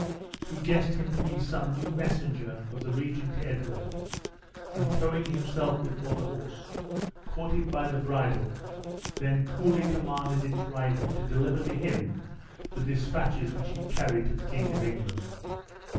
He guessed him to be some new messenger of the regent to Edward, and throwing himself before the horse, caught it by the bridle, then coolly commanded its rider to deliver to him the dispatches which he carried to the King of England.